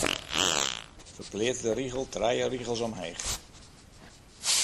Ferpleats de rigel trije rigels omheech.